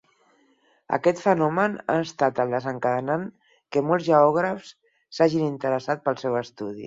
Aquest fenomen ha estat el desencadenant que molts geògrafs s'hagin interessat pel seu estudi.